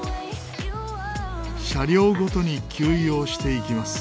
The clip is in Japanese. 車両ごとに給油をしていきます。